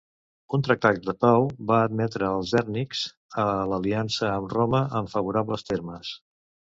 Un tractat de pau va admetre als hèrnics a l'aliança amb Roma en favorables termes.